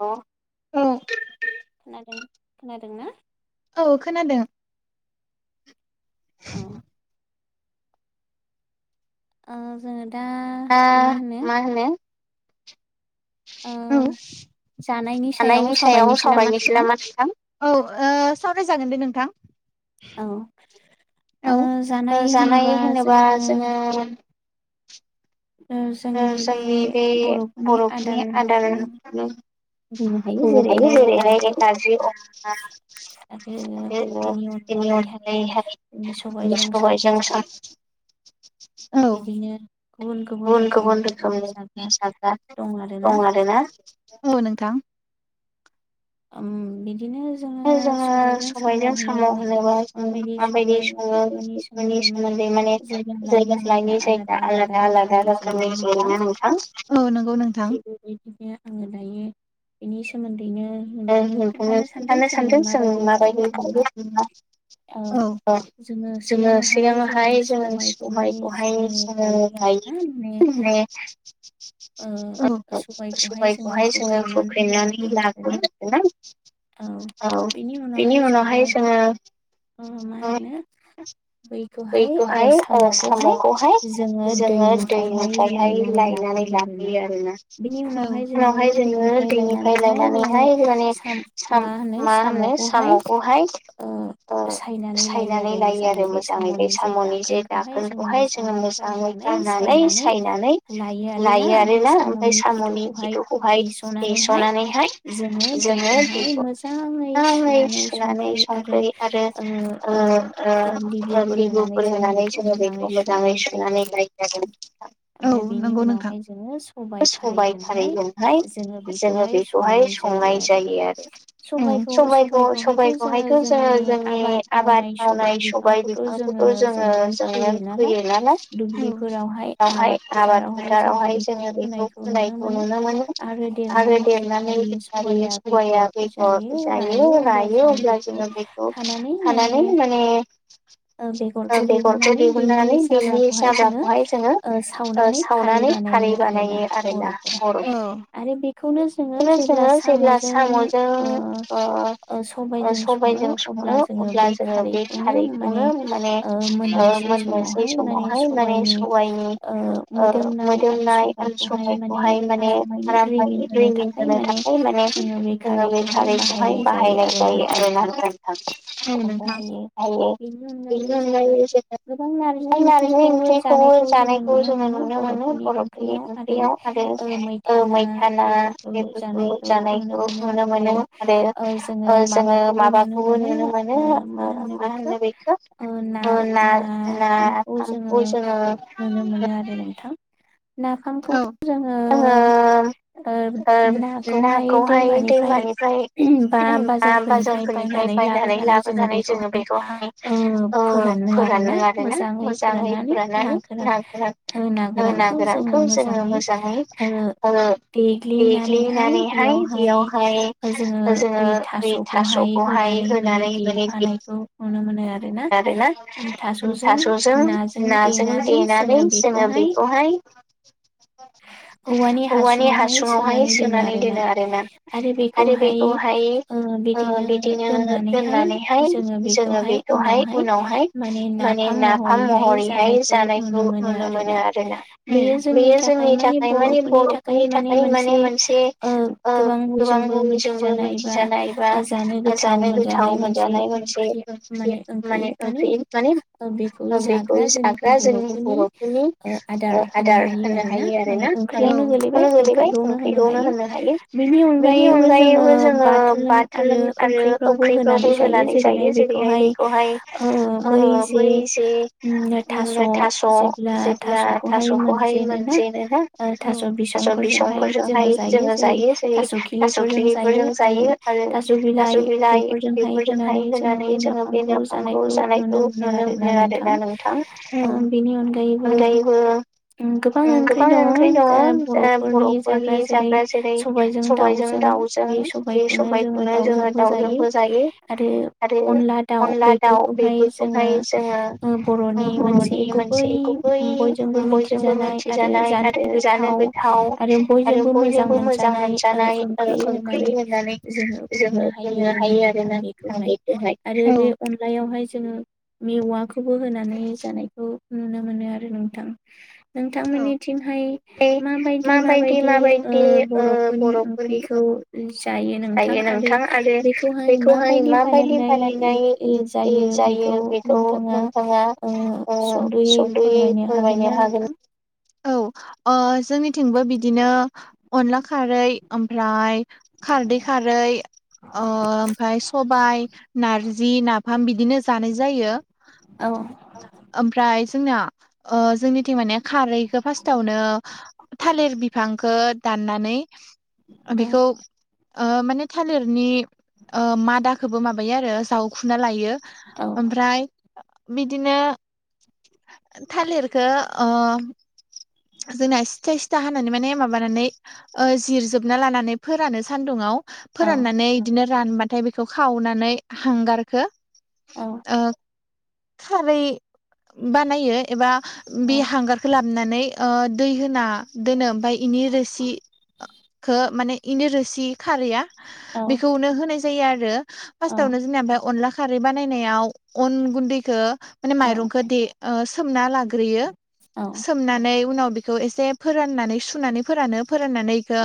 अ' औ खोनादों खोनादों ना? औ खोनादों। औ आ जोङो आ मा होनो? ओ जानायनि सायाव सावरायनोसै नामा नोंथां? ओ औ साव राय जागोन दे नोंथां। औ ओ जानाय होनोबा जोङो ओ जोंनि बे बर'फोरनि आदारनि बुंनो हायो जेरै हाय नारजि, अमा [unintelligible] सबायजों सा बिदिनो गुबुन गुबुन गुबुन गुबुन रोखोमनि निसाग्रा दं आरो ना। औ नों थां। ओम बि दिनो जोङो सबायजों साम' होनोबा जों माबायदि सङो बेफोरनि सोमोन्दै सोमोन्दै माने जायगा लायै जायगा आलादा आलादा रोखोमनि जायोना नोंथां। थिग बेबायदिनो आङो दायो। [inaudible] सोमोनदैनो ओ नोंथांनो खिन्थानो सानदों। जों माबायदि जायो आरो ना। ओ जोङो सिगाङावहाय जोङो सोबायखौहाय जोङो लायो [unintelligible] औ आरो। सबायखौहाय जोङो हुख्रेमनानै ला [unintelligible] ना औ बेनि उनावहाय जोङो। उम माहोनो बैखौहाय साम'खौहाय जोङो दैनिफ्रायहाय लायना‌ हाय लायो आरोना औ उनावहाय जोङो दैनिफ्राय लायनानै हाय माने साम मा होनो साम'खौहाय ओ सायनानै लायो आरो मोजाङै। बे साम'नि जे दाखोनखौहाय जोङो मोजाङै गारनानै सायनानै लायो आरोना। ओमफ्राय साम'नि खिथुखौहाय सौनानैहाय जोङो बेखौहाय मोजाङै सुनानै संख्रि आरो ओ ओ लिबुफोर होनानै जोङो बेखौ मोजाङै सुनानै जायो आरो। औ नोंथां ओमफ्राय बेनि उनावहाय जोङो सबाय खारैजोंहाय जोङो बे जोङो बेखौहाय संनाय जायो आरो। उम सबायखौ सबायखौहायथ' जों ङो जोंनि आबाद मावनाय सबाय बिफांखौथ' जोङो जोंनो फैयो नालाय। औ बेवहाय आबाद फोथारावहाय जोङो बेखौ फोनायखौ नुनो मोनो। आरो देरनानै मारि सबाया बेगर जायो रायो अब्ला जौंङो बेखौ थानानि माने बेगरखौ दिहुननानै बिनि जाब्राखौहाय जोङो सावनानै खारै बानायो आरोना बर' जों जेब्ला स'मजों ओ सबा सबाय जों सङो अब्ला जोङो बे खारैखौनो माने मोननोसै समाव। [unintelligible] सबायनि ओ मोदोमनाय सखौहाय माने गिलि होनो थाखाय माने जोङो बे खारैखौहाय बाहायनाय जायो आरो ना नोंथां औ नोंथां औ औ बेनि अनगायै जोङ [unintelligible] ओंख्रिखौबो जानायखौ जोङो नुनो मोनो बर'फोरनि ओंख्रियाव आरो मैथा बेफोरखौ जानायखौ नुनो मोनो आरो ओ जोंयो माबा खौबो नुनो मोनो मा होनो बेखौ ना नाफाम बस [unintelligible] औ [unintelligible] ओ नाखौहाय दैमानिफ्राय बा बाजार निफ्राय बायनानै लाबोनानै जोङो बेखौहाय ओ फोरानदों आरोना मोजां यै फोरानानै ना गोरा [unintelligible] बेखौ जोङो मोजाङै ओ देग्लिनानैहाय बेयावहाय जोङो बै थास'खौ हाय होनानै मै आरोना थास'जों नाजों देनानै जोङो बेखौहाय औ [inaudible] औवानि हासुुंआवहाय सोनानै दोनो आरोना आरो बेखौहाय ओ बिदिनो दोननानैहाय जोङो बेखौहाय उनावहाय माने नाफाम महरैहाय जानायखौ नुनो मोनो आरोना बै जोंनि थाखाय माने बर'फोरनि थाखाय माने मोनसे ओ गोबां [unintelligible] मिथिजानाय बा जानो गोथाव मोनजानाय मोनसे ओंख्रि माने ओंख्रि माने बेखौ जाग्रा जोंनि बर'फोरनि ओ आदार होनो मानि ओंख्रियावनो गोलैबाय ओंख्रिखौनो होननो हायो बेनि अनगायैबो जोङो बाथोन आरो ओंखिखौबो होनानै जायो जेरैहाय बेखौहाय ओ बै जे उम थास' जेब्ला थास'खौहाय मोनजेनो ना। थास' बिसंफोरजोंहाय जोङो जायो जेरै थास' खिलिफोरजों जायो आरो थास' बिलाइ बेफोरजोंहाय होनानै जोङो बे नाफामखौ जानायखौ नुनो मोनो। आरोना नोंथां बिनि अनगायैबो फख्रि दङ बर'फोरनि जाग्रा जेरै सबायजों दाउजों बे सबाय बेखोनो जों दाउजोंबो जायो आरो अनला दाउ बेफोरखौहाय जों बर'नि मोनसे गुबै बयजोंबो मिथिजानाय आरो जानो गोथाव आरो बयजोंबो मोजां मोनजानाय ओंख्रि होननानै जोङो बुंनो हायो आरोना नोंथां बेखौहाय आरो बे अनलायावहाय जोङो मेवाखौबो होनानै जानायखौ नुनो मोनो आरो नोंथां नोंथांमोननि बिथिंहाय माबायदि माबायदि ओ बर'फोरनि ओंख्रिखौ जा यो नोंथां आरो बेखौहाय माबायदि बानायनाय जायो नोंथाङा सुंद'यै फोरमायनो हागोन ना नोंथां? औ जोंनिथिंबो बिदिनो अनला खारै ओमफ्राय खारदै खारै ओमफाय सबायाइ नारजि नाफाम बिदिनो जानाय जायो। ओमफ्राय जोंना जोंनिथिं माने खारैखौ फार्स्टआवनो थालिर बिफांखौ दाननानै बेखौ ओ माने थालिरनि मादााखोबो माबायो आरो जावखुना लायो ओमफ्राय बिदिनो थालिरखौ अह जोंना सिथा सिथा हानानै माने माबानानै ओ जिरजोबना लानानै फोरानो सान्दुंआव फोराननानै बिदिनो रानबाथाय बेखौ खावनानै हांगारखो ओ खारै बानायो एबा बे हांगारखौ लाबोनानै ओ दै होना दोनो ओमफ्राय इनि रोसि खो माने इनि रोसि खारैया बेखौनो होनाय जायो आरो फार्स्टावनो जोंनिया ओमफ्राय अनला खारै बानायनायाव अन गुन्दैखौ माने माइरंखौ दे ओ सोमना लाग्रोयो सोमनानै उनाव बेखौ एसे फोराननानै सुनानै फोरानो फोराननानै बेखौ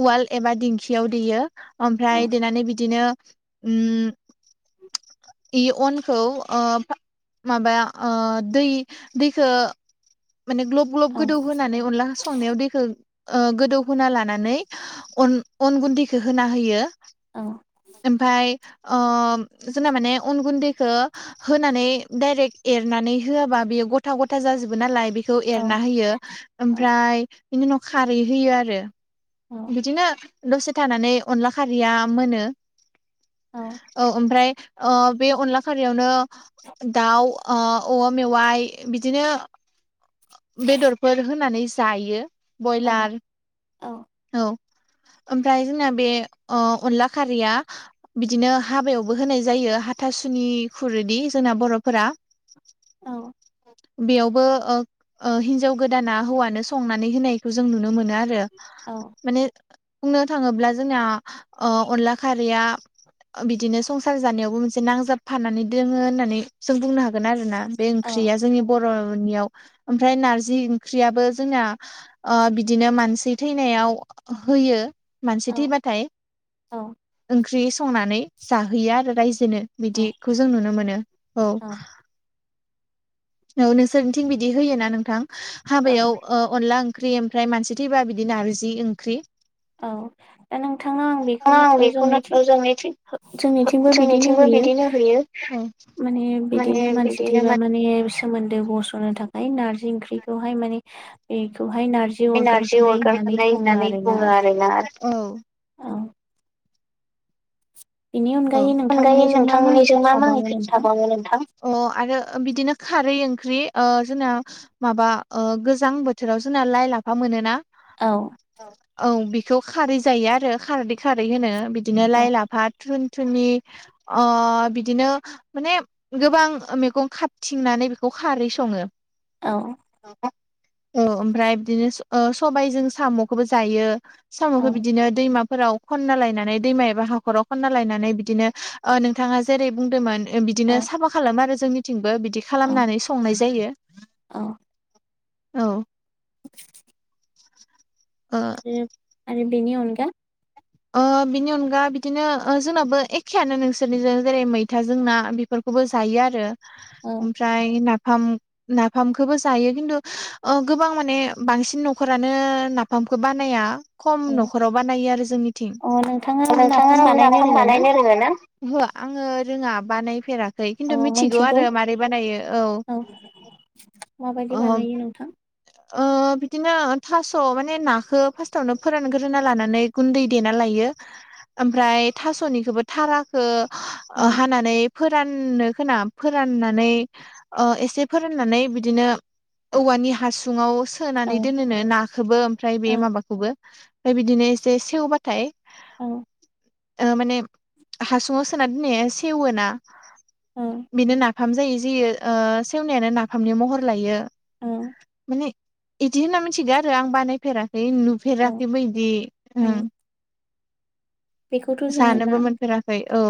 उवाल एबा दिंखियाव देयो ओमफ्राय देनानै बिदिनो उम इ अनखौ ओ माबाया ओ दै-दैखो माने ग्लब ग्लब गोदौ होनानै अनदला संनायाव दैखौ ओ गोदौहोना लानानै अन अन गुन्दैखौ होना होयो ओमफ्राय अह जोंना माने उन गुन्दैखौ होनानै डाइरेक्ट एरनानै होआबा बेयो गथा गथा जाजोबो नालाय बे बेखौ एरना होयो ओमफ्राय बिनि उनाव खारै होयो आरो बिदिनो दसे थानानै अनला खारैया मोनो औ ओमफ्राय ओ बे अनला खारियावनो दाउ ओ औवा मेवाइ बिदिनो बेदरफोर होनानै जायो बयलार औ [inaudible] ओमफ्राय जोंना बे ओ अनला खारैया बिदिनो हाबायावबो होनाय जायो हाथा स सुनि खुरोदि जोंना बर'फोरा औ बेयावबो ओ ओ हिनजाव गोदाना हौवानो संनानै होनायखौ जों नुनो मोनो आर आरो माने बुंनो थाङोब्ला जोंना ओ अनला खारिया बिदिनो संसार जानायावबो मोनसे नांजाबफानानै दोङो होननानै जों बुंनो हागोन आरो ना बे ओंख्रिया जोंनि बर'नियाव ओमफ्राय नारज जि ओंख्रियाबो जोंना ओ बिदिनो मानसि थैनायाव होयो मानसि थैबाथाय ओंख्रि संनानै जाहोयो आरो रायज जोनो बिदिखौ जों नुनो मोनो औ औ नोंसोरनिथिं बिदि होयोना नोंथां हाबायाव अनला ओं ओंख्रि ओमफ्राय मानसि थैबा बिदिनो नारजि ओंख्रि औ दा नोंथाङा आं बेखौनो ओ जोंनिथिं जोंनिथिंबो बिदिनो होयो माने बिदिनो मानसि थैबा माने सोमोन्दो बस'नो थाखाय नारजि ओंख्रिखौहाय माने इखौ नारजि अरगार होनाय होननानै बुङो आरोना औ औ अनगायै नोंथांमोननिजों मा मा ओंख्रि जाबावो नोंथां औ आरो बिदिनो खा रै ओंख्रि ओ जोंना माबा ओ गोजां बोथोराव जोंना लाइ लाफा मोनोना औ बेखौ खारै जायो आरो खारैदै खारै होनो बिद बिदिनो लाइ लाफा थुन थुनि ओ बिदिनो माने गोबां मैगं खाथिंनानै बेखौ खारै सङो औ ओमफ्राय बिदिनो ओ सबायजों साम'खौबो जायो। साम'खौ बिदिनो दैमाफोराव खनना लायनानै दैमा एबा हाखराव खनना लायनानै बिदिनो ओ नोंथाङा जेरै बुंदोंमोन बिदिनो साफा खालाम आरो जोंनिथिंबो बिद बिदि खालामनानै संनाय जायो। औ औ [unintelligible] ए आरो बेनि अनगा अ' बिनि अनगा बिदिनो जोंनाबो एखेयानो नोंसोरनि जेरै मैथा जोंना बेफोर खौबो जायो आरो ओमफ्राय ना फाम नाफामखोबो जायो खिन्थु ओ गोबां माने बांसिन न'खरानो नाफाम खौ बानाया खम न'खराव बानायो जों थिं नोंथाङा नाफाम बानायनो रोङो ना ओहो आङो रोङा बानायफेरा खै खिन्थु मिथिगौ आरो माबारै बानायो औ अ' ओ बिदिनो थास' माने नाखो फास्टावनो फोरानग्रोना लानानै गुन्दै देना लायो। बेयो ओमफ्राय थास'निखोबो थाराखो हानानै फोराननो खोना फोराननानै ओ एसे फोराननानै बिदिनो औवानि हासु गुदुङाव सोनानै दोनोनो नाखोबो ओमफ्राय बे माबाखौबो ओमफ्राय बिदिनो एसे सेवबाथाय औ ओ माने हासुङाव सोना दोननाया सेवोना बेनो ना नाफाम जायै जोयो सेवनायानो नाफामनि महर लायो। माने इदि होनना मिथिगौ आरो आं बानायफेरा है नुफेराखैबो इदि ओं जानोबो मोनफेराखै औ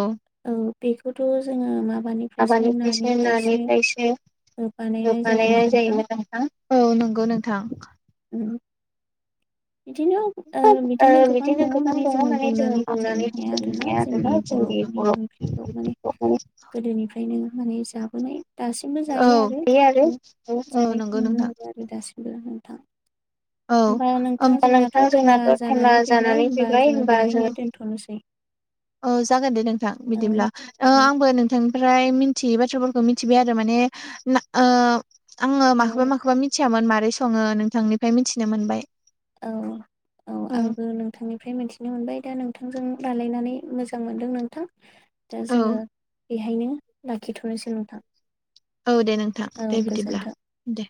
औ बेखौथ' जोङो माबानिफ्रायसो नानिफ्रायसो गोगगानाया जायोना नोंथां औ नंगौ नोंथां। बिदिनो बिदिनो गोबां दङ मे जोङो बुंनानै फोजोबनो हाया आरोना जोंनि बर' बे ओंख्रिखौ माने गोदोनिफ्रायनो माने जाबोनाय दासिमबो जायो आरो जानायखौ नुनो मोनो आरो दासिमबो नोंथां। [unintelligible] औ होमबा नोंथां जोंनाथ' टाइमा जानानै फैबाय होमबा जों औ जागोन दे नोंथां बिदिब्ला आंबो नोंथां ओमफ्राय मिथियै बाथ्राफोरखौ मिथिबाय आरो माने ओ आङो माखौबा माखौबा मिथि फैयामोन मारै सङो नोंथांनिफ्राय मिथिनो मोनबाय। औ औ आंबो नोंथांनि फ्राय मिथिनो मोनबाय दा नोंथांजों रायलायनानै मोजां मोनदों नोंथां दा जोङो बेहायनो लाखिथ'नोसै नोंथां। औ दे नोंथां दे बिदिब्ला दे